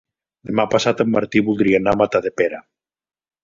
Demà passat en Martí voldria anar a Matadepera.